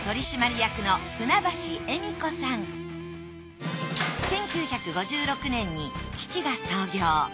次なる１９５６年に父が創業。